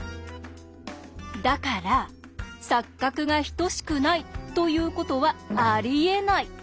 だから錯角が等しくないということはありえない！